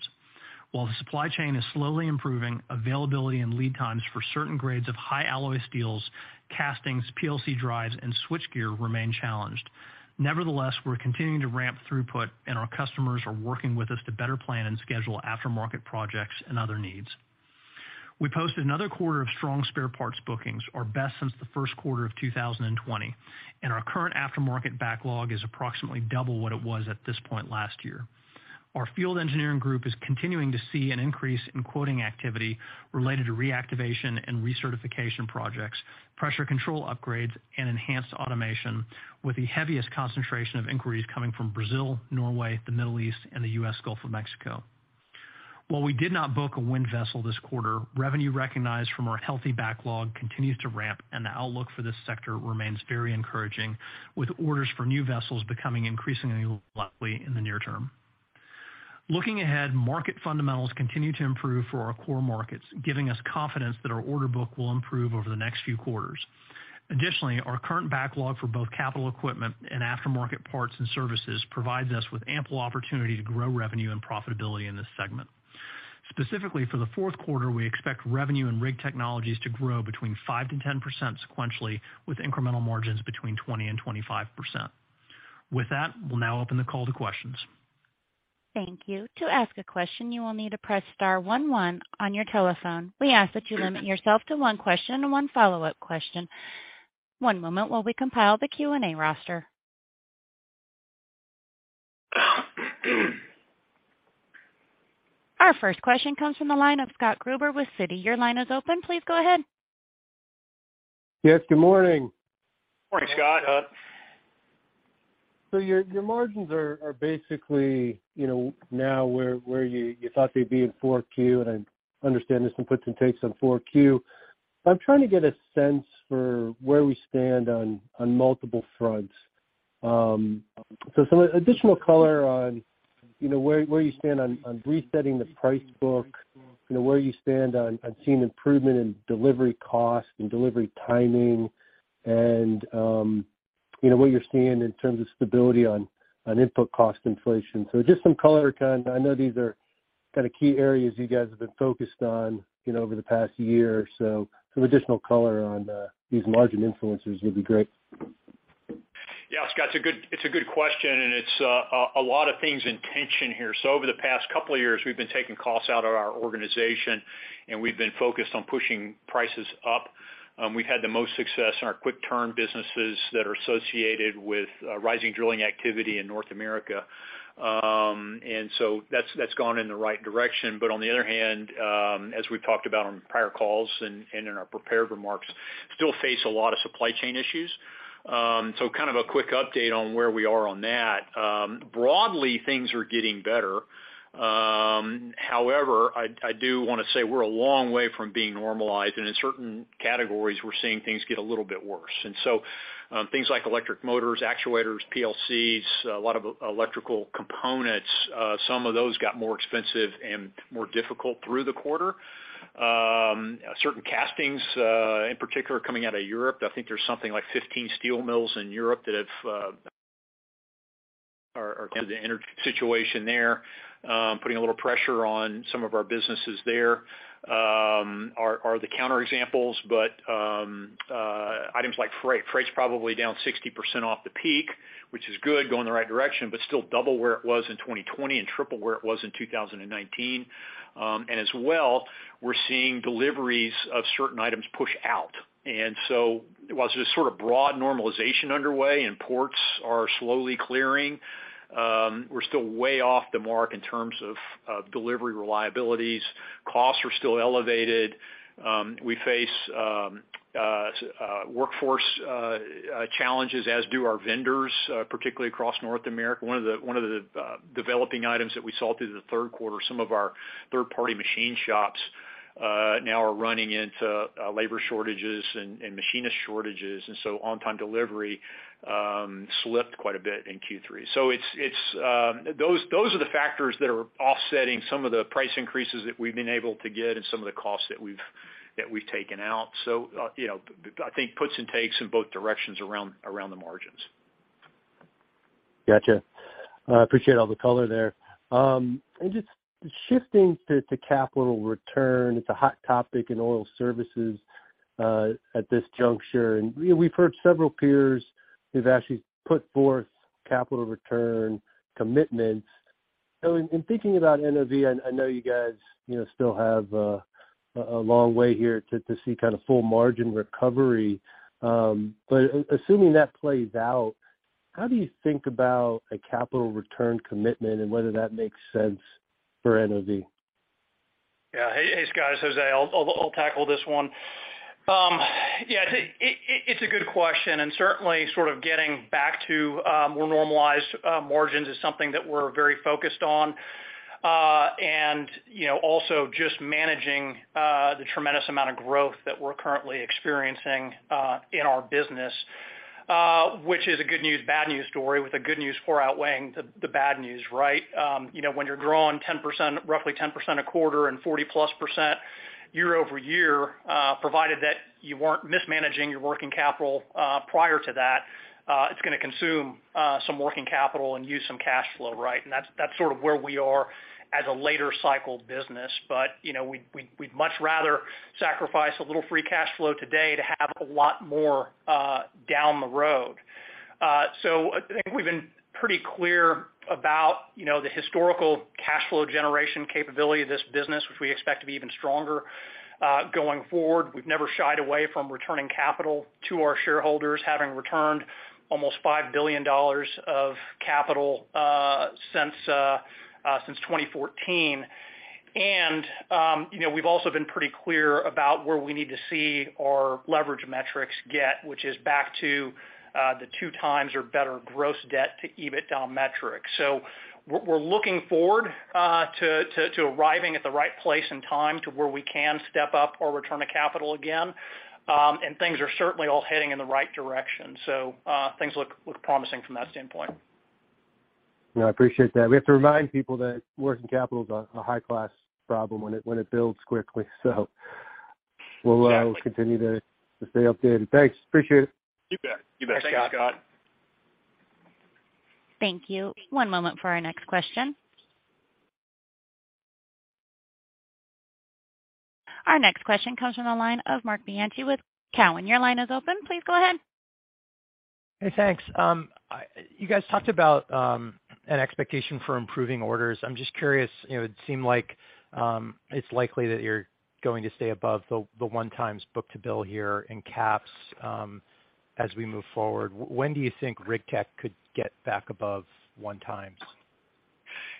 While the supply chain is slowly improving, availability and lead times for certain grades of high alloy steels, castings, PLC drives, and switchgear remain challenged. Nevertheless, we're continuing to ramp up throughput, and our customers are working with us to better plan and schedule aftermarket projects and other needs. We posted another quarter of strong spare parts bookings, our best since the first quarter of 2020, and our current aftermarket backlog is approximately double what it was at this point last year. Our field engineering group is continuing to see an increase in quoting activity related to reactivation and recertification projects, pressure control upgrades, and enhanced automation, with the heaviest concentration of inquiries coming from Brazil, Norway, the Middle East, and the U.S. Gulf of Mexico. While we did not book a wind vessel this quarter, revenue recognized from our healthy backlog continues to ramp, and the outlook for this sector remains very encouraging, with orders for new vessels becoming increasingly likely in the near term. Looking ahead, market fundamentals continue to improve for our core markets, giving us confidence that our order book will improve over the next few quarters. Additionally, our current backlog for both capital equipment and aftermarket parts and services provides us with ample opportunity to grow revenue and profitability in this segment. Specifically, for the fourth quarter, we expect revenue in Rig Technologies to grow between 5% and 10% sequentially, with incremental margins between 20% and 25%. With that, we'll now open the call to questions. Thank you. To ask a question, you will need to press star one one on your telephone. We ask that you limit yourself to one question and one follow-up question. One moment while we compile the Q&A roster. Our first question comes from the line of Scott Gruber with Citi. Your line is open. Please go ahead. Yes, good morning. Morning, Scott. Your margins are basically now where you thought they'd be in Q4, and I understand these inputs and takes on Q4. I'm trying to get a sense for where we stand on multiple fronts. Some additional color on where you stand on resetting the price book, where you stand on seeing improvement in delivery costs and delivery timing, and where you're standing in terms of stability on input cost inflation. Just some color. I know these are key areas you guys have been focused on over the past year or so. Some additional color on these margin influences would be great. Yeah, Scott, it's a good question, and there are a lot of things in tension here. Over the past couple of years, we've been taking costs out of our organization, and we've been focused on pushing prices up. We've had the most success in our quick-turn businesses that are associated with rising drilling activity in North America. That's gone in the right direction. On the other hand, as we've talked about on prior calls and in our prepared remarks, we still face a lot of supply chain issues. Here's a quick update on where we are with that. Broadly, things are getting better. However, I do want to say we're a long way from being normalized, and in certain categories, we're seeing things get a little bit worse. Things like electric motors, actuators, PLCs, a lot of electrical components—some of those got more expensive and more difficult through the quarter. Certain castings, in particular coming out of Europe. I think there are something like 15 steel mills in Europe that, due to the energy situation there, are putting a little pressure on some of our businesses. Those are the counter examples, but items like freight. Freight's probably down 60% off the peak, which is good, going in the right direction, but still double where it was in 2020 and triple where it was in 2019. We're seeing deliveries of certain items pushed out. While there's a sort of broad normalization underway and ports are slowly clearing, we're still way off the mark in terms of delivery reliability. Costs are still elevated. We face workforce challenges, as do our vendors, particularly across North America. One of the developing items that we saw through the third quarter: some of our third-party machine shops are now running into labor shortages and machinist shortages, and so on-time delivery slipped quite a bit in Q3. Those are the factors that are offsetting some of the price increases that we've been able to get and some of the costs that we've taken out. You know, I think there are puts and takes in both directions around the margins. Gotcha. I appreciate all the color there. Just shifting to capital return, it's a hot topic in oil services at this juncture. You know, we've heard several peers who've actually put forth capital return commitments. In thinking about NOV, and I know you guys, you know, still have a long way here to see kind of full margin recovery, but assuming that plays out, how do you think about a capital return commitment and whether that makes sense for NOV? Yeah. Hey, Scott, it's Jose. I'll tackle this one. Yeah, it's a good question, and certainly getting back to more normalized margins is something that we're very focused on. You know, also just managing the tremendous amount of growth that we're currently experiencing in our business, which is a good news, bad news story, with the good news far outweighing the bad news, right? You know, when you're growing roughly 10% a quarter and 40+% year-over-year, provided that you weren't mismanaging your working capital prior to that, it's going to consume some working capital and use some cash flow, right? That's sort of where we are as a later cycle business. You know, we'd much rather sacrifice a little free cash flow today to have a lot more down the road. I think we've been pretty clear about, you know, the historical cash flow generation capability of this business, which we expect to be even stronger going forward. We've never shied away from returning capital to our shareholders, having returned almost $5 billion of capital since 2014. You know, we've also been pretty clear about where we need to see our leverage metrics get, which is back to the 2x or better gross debt to EBITDA metrics. We're looking forward to arriving at the right place and time where we can step up our return of capital again. Things are certainly all heading in the right direction. Things look promising from that standpoint. No, I appreciate that. We have to remind people that working capital is a high-class problem when it builds quickly. Well, Exactly. Continue to stay updated. Thanks. Appreciate it. You bet, Scott. Thank you, Scott. Thank you. One moment for our next question. Our next question comes from the line of Marc Bianchi with Cowen. Your line is open. Please go ahead. Hey, thanks. You guys talked about an expectation for improving orders. I'm just curious, you know, it seemed like it's likely that you're going to stay above the 1x book-to-bill here in caps as we move forward. When do you think Rig Tech could get back above 1x?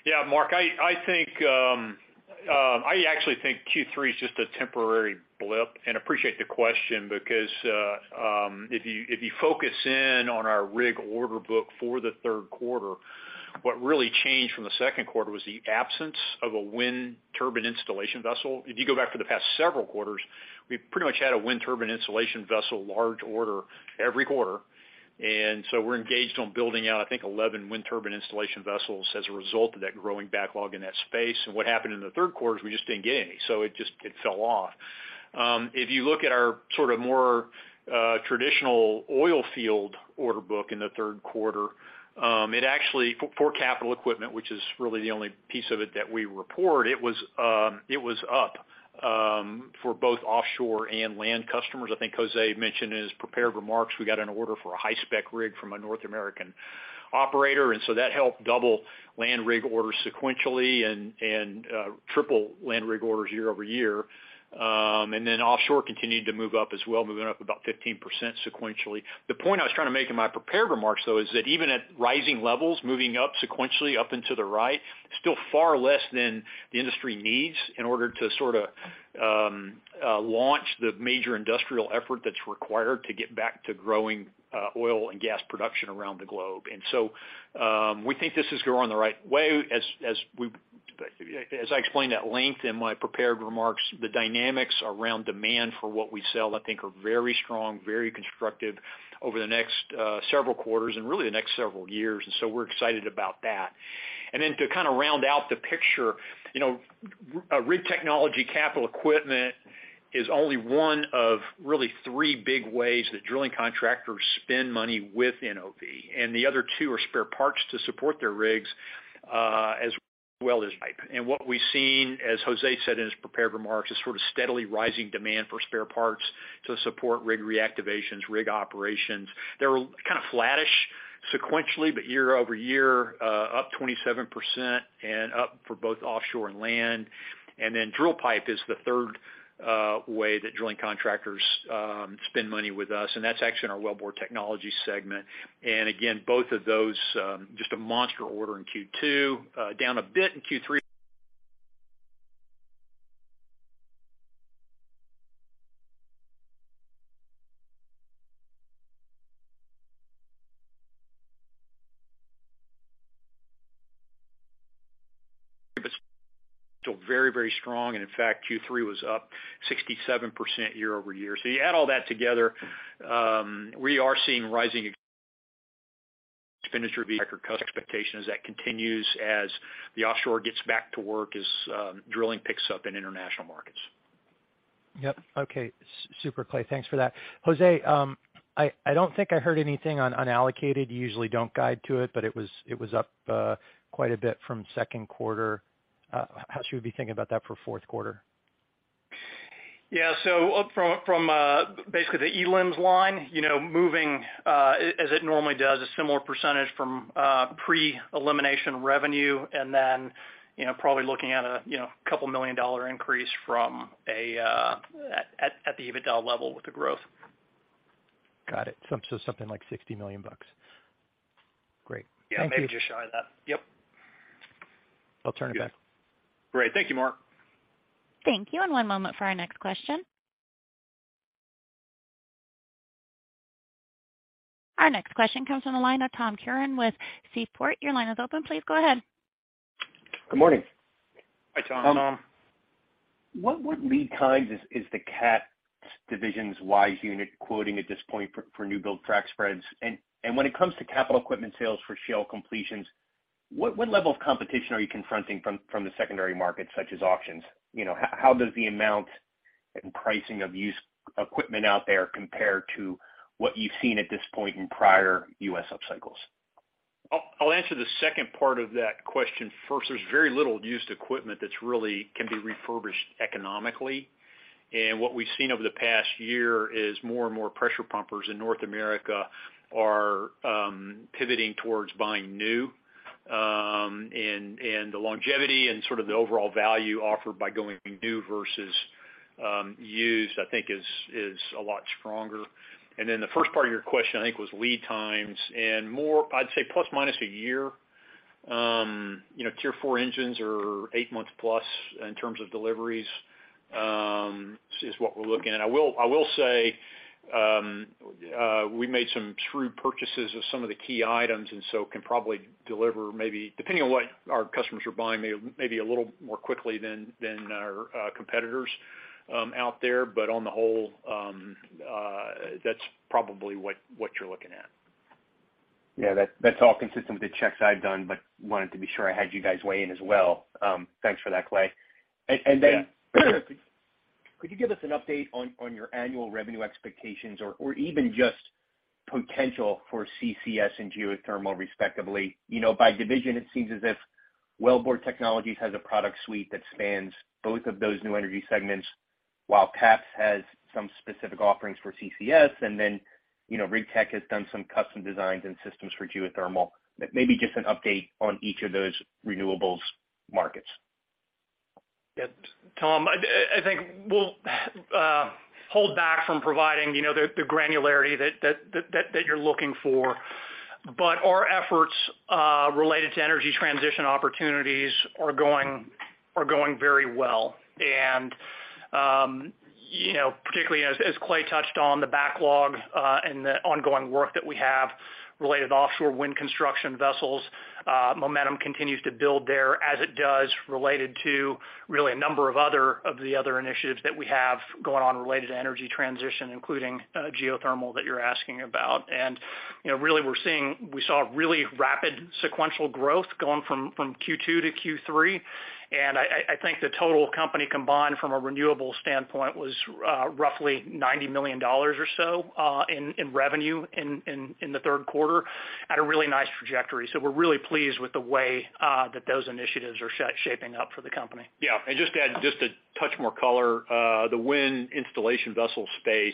Yeah. Mark, I actually think Q3 is just a temporary blip, and I appreciate the question because if you focus on our rig order book for the third quarter, what really changed from the second quarter was the absence of a wind turbine installation vessel. If you go back for the past several quarters, we pretty much had a large wind turbine installation vessel order every quarter. We're engaged in building out, I think, 11 wind turbine installation vessels as a result of that growing backlog in that space. What happened in the third quarter is we just didn't get any, so it just fell off. If you look at our more traditional oil field order book in the third quarter, it actually, for capital equipment, which is really the only piece of it that we report, was up for both offshore and land customers. I think Jose mentioned in his prepared remarks that we got an order for a high-spec rig from a North American operator, and so that helped double land rig orders sequentially and triple land rig orders year-over-year. Offshore continued to move up as well, moving up about 15% sequentially. The point I was trying to make in my prepared remarks, though, is that even at rising levels, moving up sequentially and to the right, it's still far less than the industry needs in order to launch the major industrial effort that's required to get back to growing oil and gas production around the globe. We think this is going the right way. As I explained at length in my prepared remarks, the dynamics around demand for what we sell, I think, are very strong, very constructive over the next several quarters and really the next several years. We're excited about that. Then, to kind of round out the picture, Rig Technologies capital equipment is only one of really three big ways that drilling contractors spend money with NOV. The other two are spare parts to support their rigs, as well as pipe. What we've seen, as José said in his prepared remarks, is sort of steadily rising demand for spare parts to support rig reactivations and rig operations. They're kind of flattish sequentially, but year-over-year, up 27% and up for both offshore and land. Drill pipe is the third way that drilling contractors spend money with us, and that's actually in our Wellbore Technologies segment. Again, both of those, just a monster order in Q2, down a bit in Q3. Still very, very strong, and in fact, Q3 was up 67% year-over-year. You add all that together, we are seeing rising expenditure and customer expectation as that continues, as the offshore gets back to work, and as drilling picks up in international markets. Yep. Okay. Super, Clay. Thanks for that. Jose, I don't think I heard anything on unallocated. You usually don't guide to it, but it was up quite a bit from the second quarter. How should we be thinking about that for the fourth quarter? Yeah. Up from basically the eliminations line, you know, moving as it normally does, a similar percentage from pre-elimination revenue, and then, you know, probably looking at a $2 million increase at the EBITDA level with the growth. Got it. Something like $60 million. Great. Yeah. Maybe just shy of that. Yep. I'll turn it back. Great. Thank you, Marc. Thank you. One moment for our next question. Our next question comes from the line of Tom Curran with Seaport Global. Your line is open. Please go ahead. Good morning. Hi, Tom. What would lead times be? Is the CapEx division-wise unit quoting at this point for new build frac spreads? When it comes to capital equipment sales for shale completions, what level of competition are you confronting from the secondary market, such as auctions? You know, how do the amount and pricing of used equipment out there compare to what you've seen at this point in prior U.S. upcycles? I'll answer the second part of that question first. There's very little used equipment that can really be refurbished economically. What we've seen over the past year is more and more pressure pumpers in North America are pivoting towards buying new, and the longevity and overall value offered by going new versus used, I think, is a lot stronger. Then the first part of your question, I think, was lead times and more. I'd say plus or minus a year. You know, Tier 4 engines are eight months plus in terms of deliveries, is what we're looking at. I will say we made some true purchases of some of the key items and so can probably deliver, depending on what our customers are buying, maybe a little more quickly than our competitors out there. On the whole, that's probably what you're looking at. Yeah, that's all consistent with the checks I've done, but I wanted to be sure I had you guys weigh in as well. Thanks for that, Clay. Yeah. Could you give us an update on your annual revenue expectations or even just the potential for CCS and geothermal, respectively? You know, by division, it seems as if Wellbore Technologies has a product suite that spans both of those new energy segments, while PAPS has some specific offerings for CCS, and then, you know, Rig Tech has done some custom designs and systems for geothermal. Maybe just an update on each of those renewables markets. Yeah. Tom, I think we'll hold back from providing the granularity that you're looking for. Our efforts related to energy transition opportunities are going very well, particularly as Clay touched on the backlog and the ongoing work that we have related to offshore wind construction vessels. Momentum continues to build there, as it does related to a number of other initiatives that we have going on related to energy transition, including geothermal that you're asking about. We really saw rapid sequential growth going from Q2 to Q3. I think the total company, combined from a renewables standpoint, was roughly $90 million or so in the third quarter, at a really nice trajectory. We're really pleased with the way those initiatives are shaping up for the company. Just to add a touch more color, the wind installation vessel space,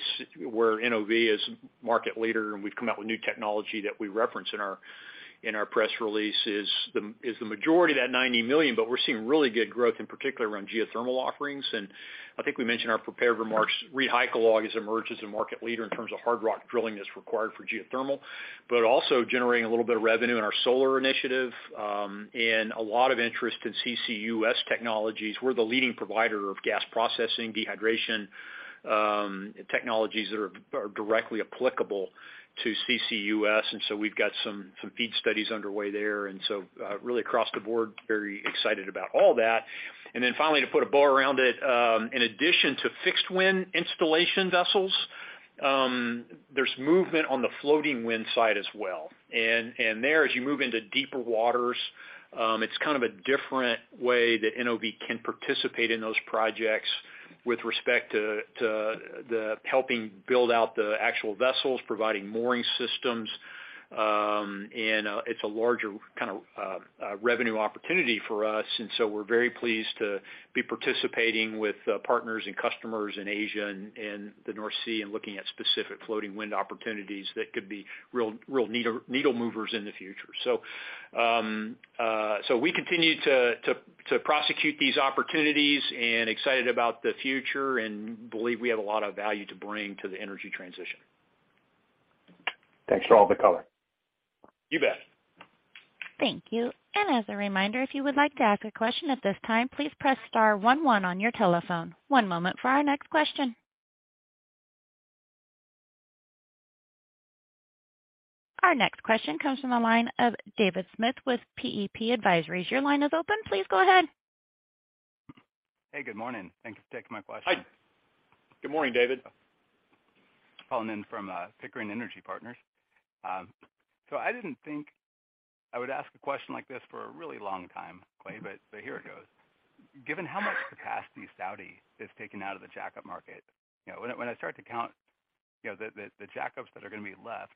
where NOV is a market leader, and we've come out with new technology that we reference in our press release, accounts for the majority of that $90 million. However, we're seeing really good growth, particularly around geothermal offerings. I think we mentioned in our prepared remarks that ReedHycalog has emerged as a market leader in terms of hard rock drilling, which is required for geothermal. We're also generating a little bit of revenue in our solar initiative and seeing a lot of interest in CCUS technologies. We're the leading provider of gas processing and dehydration technologies that are directly applicable to CCUS, and so we've got some FEED studies underway there. Really, across the board, we're very excited about all of that. Then finally, to put a bow around it, in addition to fixed wind installation vessels, there's movement on the floating wind side as well. There, as you move into deeper waters, it's a different way that NOV can participate in those projects with respect to helping build out the actual vessels, providing mooring systems. It's a larger revenue opportunity for us. We're very pleased to be participating with partners and customers in Asia and the North Sea and looking at specific floating wind opportunities that could be real needle movers in the future. We continue to pursue these opportunities and are excited about the future and believe we have a lot of value to bring to the energy transition. Thanks for all the color. You bet. Thank you. As a reminder, if you would like to ask a question at this time, please press star one one on your telephone. One moment for our next question. Our next question comes from the line of David Smith with Pickering Energy Partners. Your line is open. Please go ahead. Hey, good morning. Thank you for taking my question. Hi. Good morning, David. Calling in from Pickering Energy Partners. I didn't think I would ask a question like this for a really long time, Clay, but here it goes. Given how much capacity Saudi has taken out of the jack-up market, when I start to count the jack-ups that are going to be left,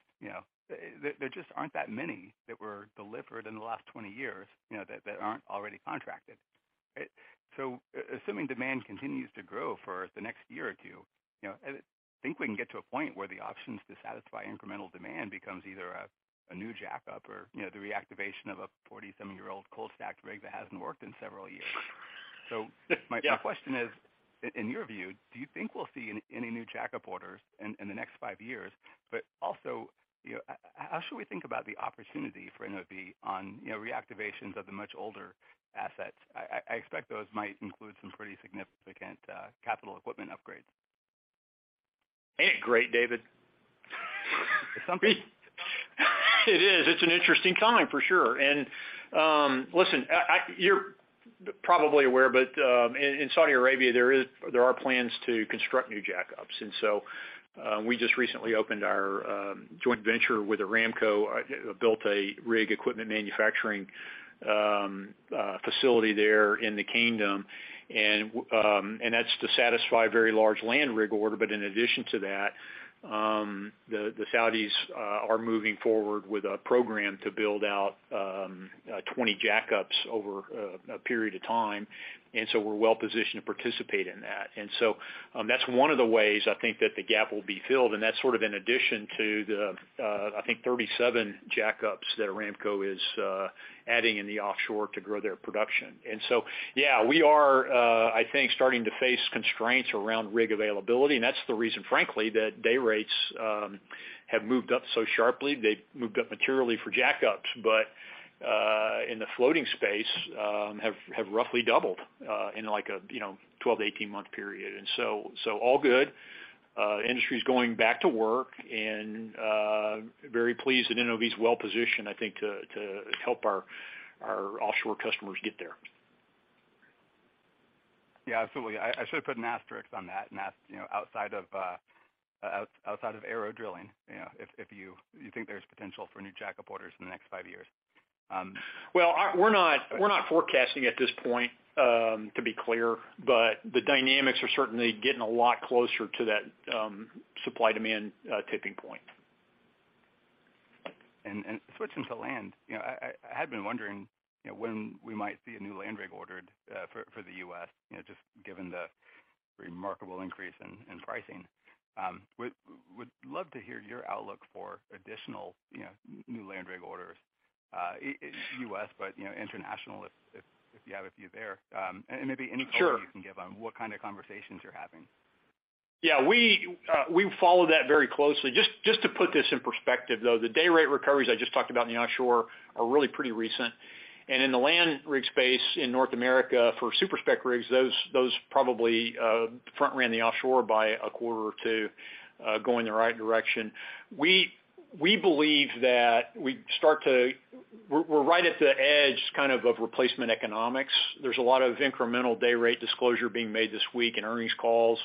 there just aren't that many that were delivered in the last 20 years that aren't already contracted. Assuming demand continues to grow for the next year or two, I think we can get to a point where the options to satisfy incremental demand become either a new jack-up or the reactivation of a 47-year-old cold-stacked rig that hasn't worked in several years. Yeah. My question is, in your view, do you think we'll see any new jack-up orders in the next five years? Also, how should we think about the opportunity for NOV on reactivations of much older assets? I expect those might include some pretty significant capital equipment upgrades. Ain't it great, David? For some people. It is. It's an interesting time, for sure. Listen, you're probably aware, but in Saudi Arabia, there are plans to construct new jack-ups. We just recently opened our joint venture with Aramco, building a rig equipment manufacturing facility there in the kingdom. That's to satisfy a very large land rig order. In addition to that, the Saudis are moving forward with a program to build out 20 jack-ups over a period of time. We're well-positioned to participate in that. That's one of the ways I think that the gap will be filled, and that's sort of in addition to the, I think, 37 jack-ups that Aramco is adding in the offshore to grow their production. I think we are starting to face constraints around rig availability, and that's the reason, frankly, that day rates have moved up so sharply. They've moved up materially for jack-ups, but in the floating space have roughly doubled in a, you know, 12- to 18-month period. All good. The industry's going back to work and very pleased that NOV is well-positioned, I think, to help our offshore customers get there. Yeah, absolutely. I should have put an asterisk on that and asked, you know, outside of ARO Drilling, if you think there's potential for new jack-up orders in the next five years. Well, we're not forecasting at this point, to be clear, but the dynamics are certainly getting a lot closer to that supply-demand tipping point. Switching to land, I had been wondering when we might see a new land rig ordered for the U.S., given the remarkable increase in pricing. I would love to hear your outlook for additional new land rig orders in the U.S., and internationally if you have any insights there. And maybe any color— Sure. you can give on what kind of conversations you're having. Yeah, we follow that very closely. Just to put this in perspective, though, the day rate recoveries I just talked about in the offshore are really pretty recent. In the land rig space in North America for super-spec rigs, those probably front-ran the offshore by a quarter or two, going in the right direction. We believe that we're right at the edge of replacement economics. There's a lot of incremental day rate disclosure being made this week in earnings calls.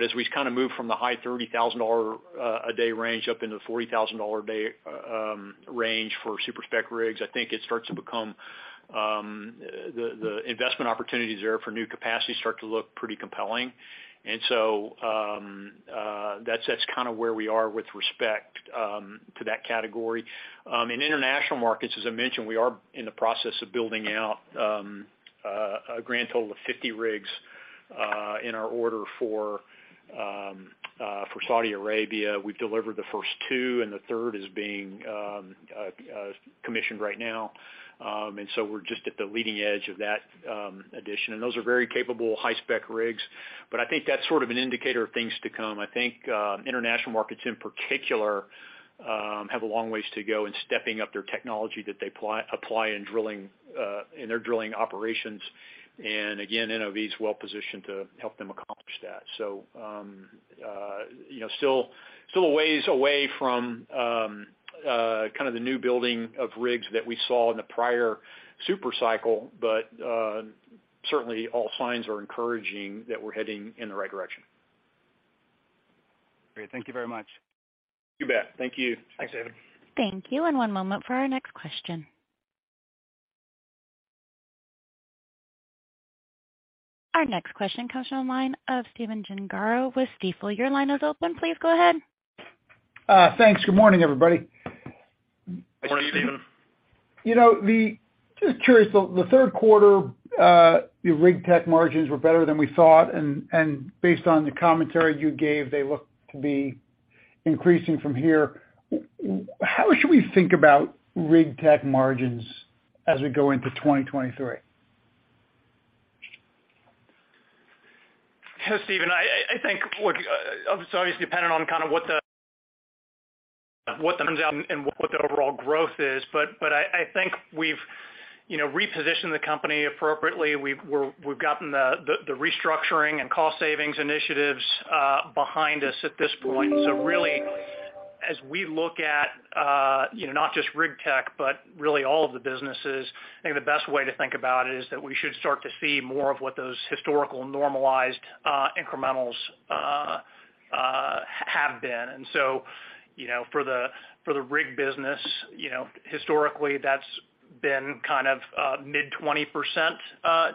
As we kind of move from the high $30,000 a day range up into the $40,000 a day range for super-spec rigs, I think the investment opportunities there for new capacity start to look pretty compelling. That's kind of where we are with respect to that category. In international markets, as I mentioned, we are in the process of building out a grand total of 50 rigs in our order for Saudi Arabia. We've delivered the first two, and the third is being commissioned right now. We're just at the leading edge of that addition. Those are very capable high-spec rigs, but I think that's sort of an indicator of things to come. I think international markets in particular have a long way to go in stepping up the technology that they apply in drilling in their drilling operations. Again, NOV is well positioned to help them accomplish that. You know, still a ways away from the kind of new building of rigs that we saw in the prior super cycle. Certainly all signs are encouraging that we're heading in the right direction. Great. Thank you very much. You bet. Thank you. Thanks, David. Thank you. One moment for our next question. Our next question comes from the line of Stephen Gengaro with Stifel. Your line is open. Please go ahead. Thanks. Good morning, everybody. Good morning, Stephen. You know, just curious, the third-quarter Rig Tech margins were better than we thought. Based on the commentary you gave, they look to be increasing from here. How should we think about Rig Tech margins as we go into 2023? Hey, Stephen, I think, look, obviously dependent on kind of what turns out and what the overall growth is, but I think we've, you know, repositioned the company appropriately. We've gotten the restructuring and cost savings initiatives behind us at this point. Really, as we look at, you know, not just Rig Tech, but really all of the businesses, I think the best way to think about it is that we should start to see more of what those historical normalized incrementals have been. You know, for the rig business, historically that's been kind of mid-20%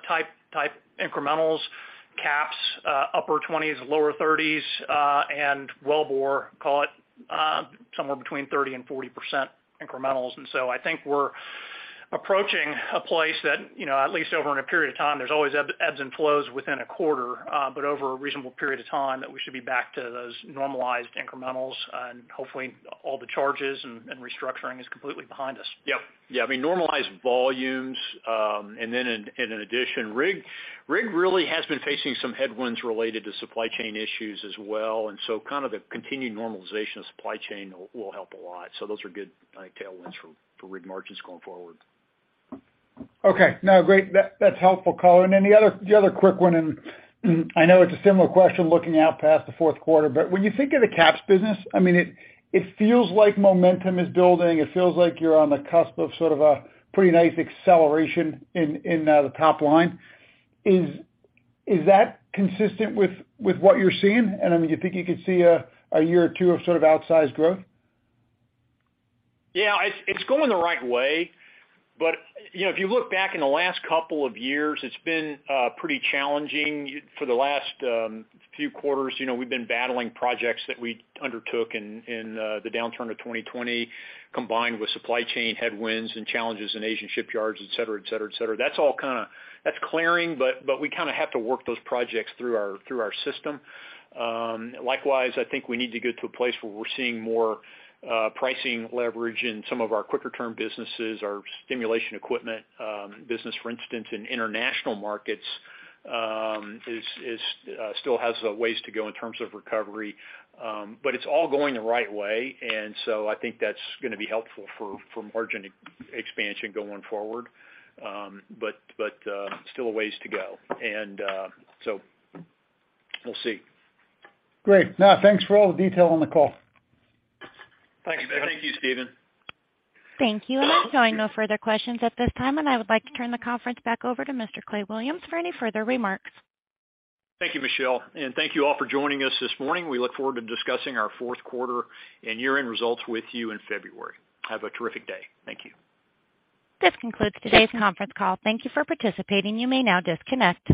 type incrementals. C&Ps, upper 20s-lower 30s, and Wellbore, call it somewhere between 30%-40% incrementals. I think we're approaching a place where, you know, at least over a period of time, there are always ebbs and flows within a quarter, but over a reasonable period of time, we should be back to those normalized incrementals. Hopefully, all the charges and restructuring are completely behind us. Yep. Yeah, I mean, normalized volumes, and then in addition, Rig really has been facing some headwinds related to supply chain issues as well. The continued normalization of the supply chain will help a lot. Those are good, I think, tailwinds for Rig margins going forward. Okay. No, great. That's helpful color. Then the other quick one, and I know it's a similar question looking out past the fourth quarter. When you think of the CAPS business, I mean, it feels like momentum is building. It feels like you're on the cusp of a pretty nice acceleration in the top line. Is that consistent with what you're seeing? I mean, do you think you could see a year or two of outsized growth? Yeah, it's going the right way. You know, if you look back at the last couple of years, it's been pretty challenging. For the last few quarters, you know, we've been battling projects that we undertook in the downturn of 2020, combined with supply chain headwinds and challenges in Asian shipyards, et cetera. That's clearing, but we kind of have to work those projects through our system. Likewise, I think we need to get to a place where we're seeing more pricing leverage in some of our quicker-term businesses. Our stimulation equipment business, for instance, in international markets, still has a ways to go in terms of recovery. But it's all going the right way. I think that's going to be helpful for margin expansion going forward. Still a ways to go. We'll see. Great. No, thanks for all the detail on the call. Thanks. Thank you, Stephen. Thank you. I'm showing no further questions at this time, and I would like to turn the conference back over to Mr. Clay Williams for any further remarks. Thank you, Michelle, and thank you all for joining us this morning. We look forward to discussing our fourth-quarter and year-end results with you in February. Have a terrific day. Thank you. This concludes today's conference call. Thank you for participating. You may now disconnect.